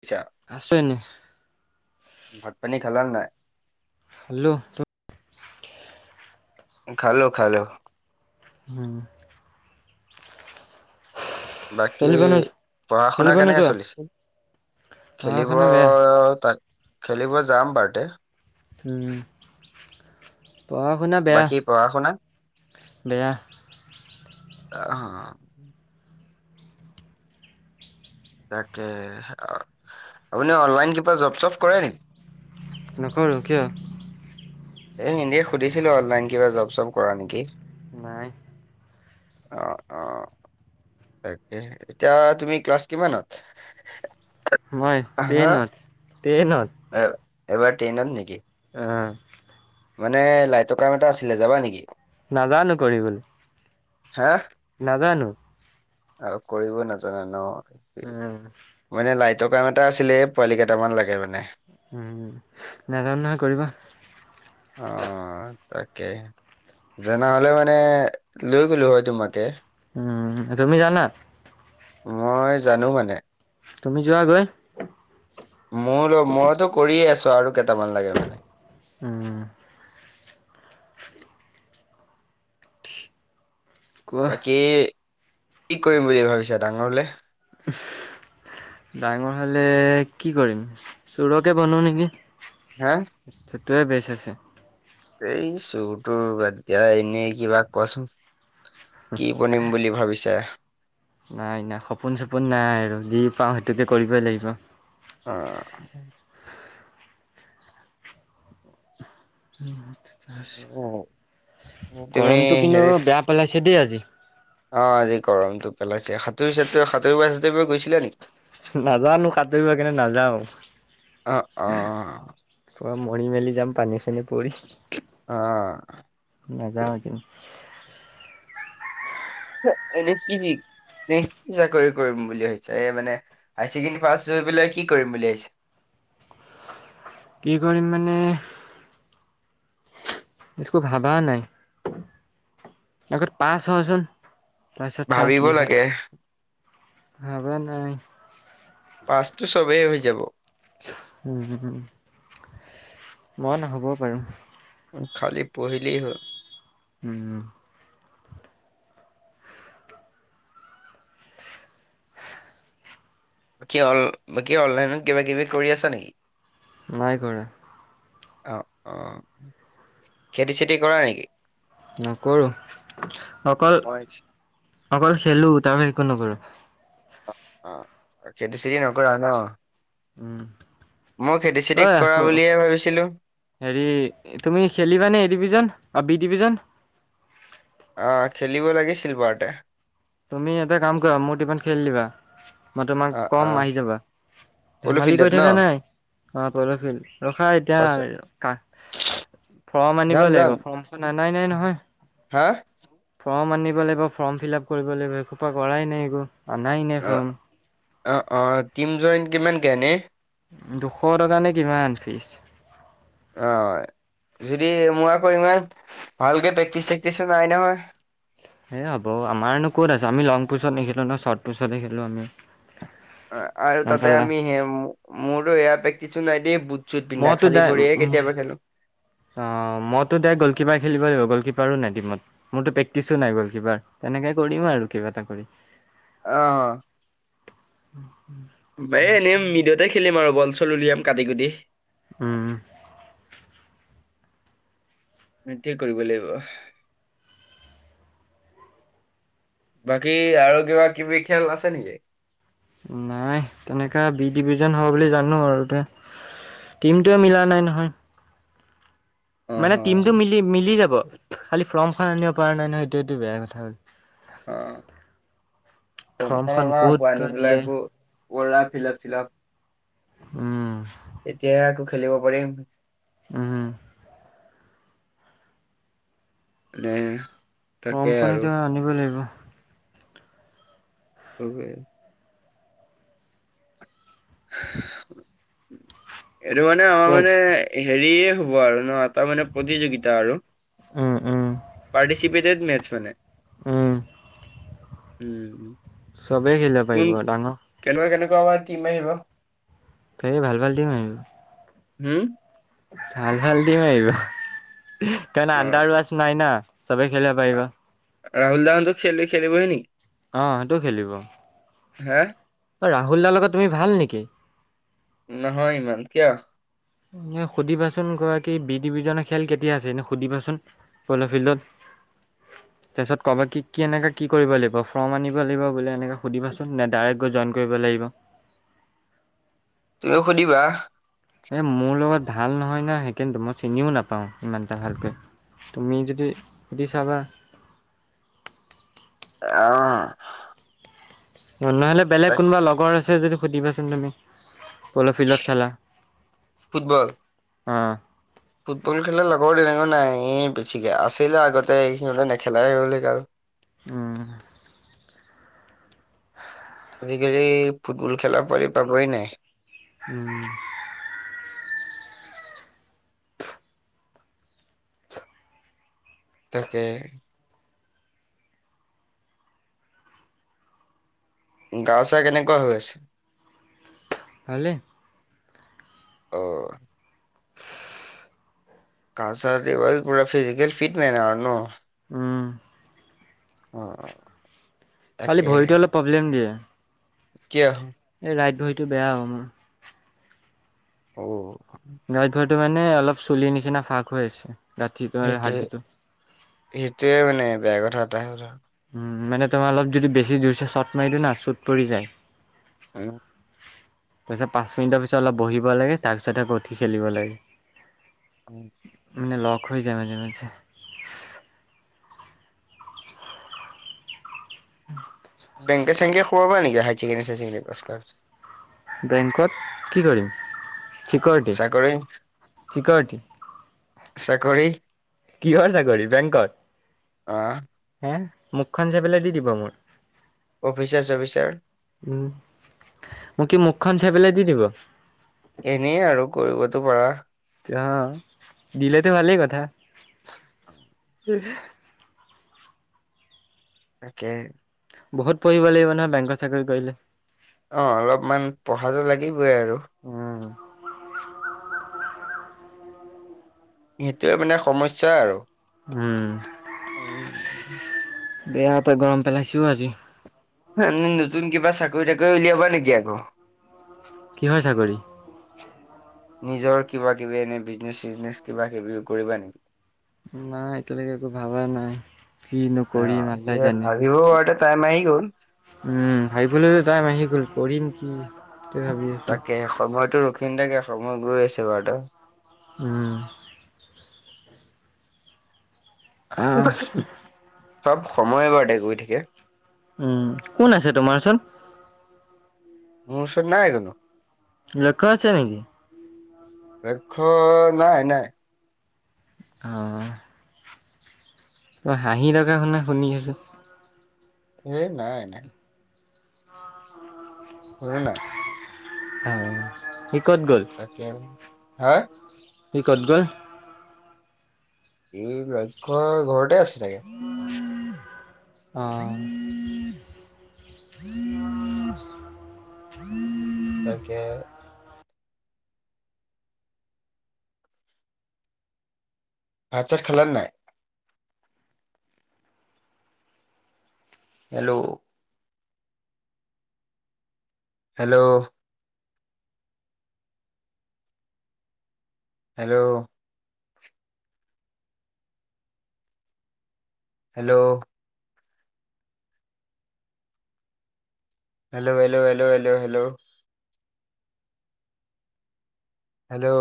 দিছা আছোঁ এনে। ভাত পানী খালা নে নাই? খালো। খালো, খালো। উম। বাকী খেলিব নো পঢ়া শুনা খেলিব কেনেকা নোযোৱা চলিছে? পঢ়া খেলিব শুনা বেয়া তাক খেলিব যাম বাৰতে। উম, পঢ়া শুনা বেয়া। বাকী পঢ়া শুনা। বেয়া। অহ' তাকে, আপুনি অনলাইন কিবা জব চ'ব কৰে নেকি? নকৰো, কিয়? এনেই সুধিছিলোঁ অনলাইন কিবা জব চ'ব কৰা নেকি। নাই। অ' অ' এতিয়া, তুমি ক্লাছ কিমানত? মই হা ট্ৰেইনত, ট্ৰেইনত। এবাৰ ট্ৰেইনত নেকি। আহ মানে লাইটৰ কাম এটা আছিলে যাবা নেকি? নাজানোঁ কৰিবলৈ। হা নাজানোঁ। অ' কৰিব নাজানা নো। উম মানে লাইটৰ কাম এটা আছিলে, পোৱালী কেইটামান লাগে মানে। উম, নাজানো নহয় কৰিব। অ' তাকে। জনা হ'লে মানে লৈ গলোঁ হয় তোমাকে। উম, তুমি জানা? মই জানো মানে। তুমি যোৱাগৈ। মোৰ মইতো কৰিয়ে আছোঁ আৰু কেইটামান লাগে মানে। উম। কোৱা বাকী, কি কৰিম বুলি ভাবিছাঁ, ডাঙৰ হ'লে। ছছ ডাঙৰ হ'লে কি কৰিম, চুৰকে বনু নেকি? হা্ সেইটোৱে বেছ আছে। এই চুৰ টোৰ বাদ দিয়া, এনেই কিবা কৱাচোন কি বনিম বুলি ভাবিছাঁ। নাই নাই, সপোন চপোন নাই আৰু যি পাওঁ সেইটোকে কৰিবই লাগিব। অ', তুমি গৰমটো কিন্তু হেৰি বেয়া পেলাইছে দেই আজি। অ', আজি গৰমতটো পেলাইছে, সাতুৰি চাতুৰি সাতুৰিব চাতুৰিব গৈছিলা নেকি? নাজানো সাতুৰিব, সেইকাৰণে নাযাওঁ। অ অ পুৰা মৰি মেলি যাম, পানী চানী পৰি। অ', নাযাওঁ এতিয়া, এনে কি কি চাকৰি কৰিম বুলি ভাবিছাঁ, এই মানে হাই ছেকেণ্ডেৰী পাছ হৈ পেলাই কি কৰিম বুলি ভাবিছাঁ। কি কৰিম মানে, একো ভাবা নাই, আগত পাছ হওঁ চোন। ভাবিব লাগে, ভবা নাই, পাছটো চবেই হৈ যাব। উম্, মই নহ'বও পাৰো। খালি পঢ়িলে হ'ল। উম্, বাকী অল, বাকী অনলাইনত কিবা-কিবি কৰি আছা নেকি? নাই কৰা। অ', অ', খেতি চেতি কৰা নেকি? নকৰো, অকল, মই অকল খেলো আৰু একো নকৰো। অ', খেতি চেতি নকৰা ন। উম মই খেতি চেতি কৰা ঐ বুলিহে ভাবিছিলোঁ। হেৰি, তুমি খেলিবানে এই ডিভিজন আৰু বি ডিভিজন। অ', খেলিব লাগিছিল বাৰতে। তুমি এটা কাম কৰা, মোৰ টিমট খেলি দিবা, মই অ তোমাক অ কম আহি যাবা। পলু ধেমালি ফিল্ডত কৰি ন থকা নাই, অ', পৰশিল ৰখা এতিয়া। সঁচা কা ফ্ৰৰ্ম আনিব যাম যাম। লাগিব, ফৰ্ম চম অনাই নাই নহয়। হা ফৰ্ম আনিব লাগিব, ফৰ্ম ফিলআপ কৰিব লাগিব, এইসোপা কৰাই নাই একো, আনাই নাই অ ফৰ্ম। অ', অ', টিম জইন কিমান কে ইনেই। দুশ টকা নে, কিমান ফিজ। অ', যদি মোৰ আকৌ ইমান ভালকে প্ৰেক্টিচ চেক্টিচো নাই নহয়। এই হ'ব, আমাৰ নো ক'ত আছে আমি লং পুচত নেখেলো নয় শ্বৰ্ট পুচতে খেলোঁ আমি। আৰু গম তাতে পালা আমি হেয়া মোৰটো এয়াৰ প্ৰেক্টিছু নাই দেই। চুট পিন্ধা, মইতো খালি দাই ভৰিয়েহে কেতিয়াবা খেলো। অ', মইতো দাইৰেক্ট গ'ল কীপাৰ খেলিব লাগিব, গ'ল কীপাৰো নাই টিমত। মোৰতো প্ৰেক্টিচো নাই গ'ল কিপাৰ, তেনেকে কৰিম আৰু কিবা এটা কৰি। অ', বে এনেই ম তাতে খেলিম আৰু বল চল উলিয়াম কাটি-কুটি। উম্, সেইটোয়ে কৰিব লাগিব। বাকী আৰু কিবা কিবি খেল আছে নেকি? নাই তেনেকুৱা বি ডিভিজন হ'ব বুলি জানো আৰু তে। টিমটোৱে মিলা নাই নহয়। অ মানে অ টিমটো মিলি মিলি যাব খালি ফ্ৰৰ্মখন আনিব পৰা নাই নহয় সেইটোটো বেয়া কথা হ'ল। অ', প্ৰমশন ফৰ্মখন অ ক'ত আকৌ আনি বা পেলাই দিয়ে কৰা ফিলপ চিলপ উম তেতিয়া আকৌ খেলিব পাৰিম। উম। এ ফমখন এতিয়া আনিব লাগিব। [inaudible] [inaudible] এইটো মানে আমাৰ খেল মানে হেৰিয়ে হ'ব আৰু ন এটা মানে প্ৰতিযোগিতা আৰু। উম উম পাৰ্টিচিপেটেড মেচ মানে। উম। উম, উম। চবেই খেলিব পাৰিব ডাঙৰ কেনেকুৱা কেনেকুৱা বা টিম আহিব? কালিলে ভাল ভাল টিম আহিব। হম? ভাল ভাল টিম আহিব কাৰণ অ আণ্ডাৰ ৱাছ নাই না চবে খেলিব পাৰিব। ৰাহুল দা হঁতো খেলি খেলিব নি। অ', সেইটো খেলিব। হা? অ', ৰাহুল দাৰ লগত তুমি ভাল নেকি? নহয় ইমান কিয়? এ সুধিবাচোন গৰাকী বি ডিভিজনৰ খেল কেতিয়া আছে এনে সুধিবাচোন? [unintelligible] ফিল্ড তাৰপিছত ক'বা কি কি এনেকৈ কি কৰিব লাগিব ফৰ্ম আনিব লাগিব বুলি এনেকৈ সুধিবাচোন নে ডাইৰেক্ট গৈ জইন কৰিব লাগিব। তুমিও সুধিবা? এ মোৰ লগত ভাল নহয় ন সেইকাৰ মই চিনিও নাপাওঁ ইমান এটা ভালকৈ। তুমি যদি সুধি চাবা। অ'। অ', নহ'লে বেলেগ তাক কোনোবা লগৰ আছে যদি সুধিবাচোন তুমি। পল' ফিল্ডত খেলা ফুটবল আহ। ফুটবল খেললে লগৰ তেনেকে নাই এই বেছিকে আছিলে আগতে এইখিনিতে নেখেলাই হ'ল আৰু। উম। আজিকালি ফুটবল খেলা পোৱালি পাবই নাই। উম। তাকে। গাও চা কেনেকুৱা হৈ আছে? ভালে। অ'। কা চাৰটিব পূৰা ফিজিকেল ফিট নাই ন অৰু। উম। অ', অ'। খালি ভৰিটো অলপ প্ৰব্লেম দিয়ে। কিয়? এই ৰাইত ভৰিটো বেয়াও মোৰ। অ'। ৰাইট ভৰিটো মানে অলপ চুলিৰ নিচিনা ফাঁক হৈ আছে গাঁঠটো সেইটোৱে হাৰ্ডীটো। সেইটোৱে মানে বেয়া কথা এটা হ'ল আৰু। উম্, মানে তোমাৰ অলপ যদি বেছি জুৰ্ছে চো'ট মাৰি দিওঁ না চট পৰি যায়। উম্, তাৰপিছত পাচ মিনিটৰ পিছত অলপ বহিব লাগে, তাৰপিছতহে আকৌ উঠি খেলিব লাগে। উ উম্, মানে লক হৈ যায় মাজে মাজে। উ বেংকে চেংকে সোমাবা নেকি, হাই চেকেণ্ডেৰী চাই চেকেণ্ডেৰী পাছ কৰাৰ পাছত। বেংকত কি কৰিম, চিক'ৰিটি চাকৰি চিক'ৰিটি। চাকৰি। কিহৰ চাকৰি বেংকত। অ', হে, মুখখন চাই পেলাই দি দিব মোৰ। অফিচাৰ চফিচাৰ। উম্, মোক কি মুখখন চাই পেলাই দি দিব। এনেই আৰু কৰিবতো পাৰা। এতিয়া দিলেতো ভালেই কথা। অ', হুম। তাকে, বহুত পঢ়িব লাগিব নহয়, বেংকত চাকৰি কৰিলে, অ', অলপমান পঢ়াতো লাগিবই আৰু। উম্, সেইটোয়ে মানে সমস্যা আৰু উম্, উম বেয়াকে গৰম পেলাইছে অ', আজি। এনেই নতুন কিবা চাকৰি টাকৰি উলিয়াবা নেকি আকৌ। কিহৰ চাকৰি। নিজৰ কিবা-কিবি, এনেই বিজনেচ চিজনেচ কিবা-কিবি কৰিবা নেকি? নাই এতিয়ালৈকে একো ভাবা নাই, কি নক মাললাই জানি ডিব্ৰুগড়তে টাইম আহি গ'ল। ভাবিবলৈ টাইম আহি গ'ল, পঢ়িম কি সেইটোয়ে ভাবি আছো তাকে সময়তো ৰখি নাথাকে, সময় গৈ আছে বাৰু ত উম্, আহ চব সময়বাৰতে গৈ থাকে। উম্, কোন আছে তোমাৰ ওচৰত। মোৰ ওচৰত নাই কোনো। লক্ষ্য আছে নেকি? লক্ষ্য নাই নাই। অ', তই হাঁহি থকা শুনা শুনি আছোঁ। হেই নাই। কোনো নাই। অ', সি ক'ত গ'ল। তাকেই অ', সি কত গ'ল। এ লক্ষ্য ঘৰতে আছে থাকে অ', তাকে, ভাত চাত খালা নাই? Hello. Hello. Hello. Hello. Hello hello hello hello hello. Hello.